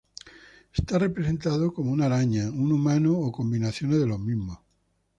Es representado como una araña, un humano o combinaciones de los mismos.